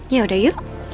ya udah yuk